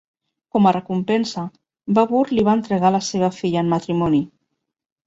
Com a recompensa, Babur li va entregar la seva filla en matrimoni.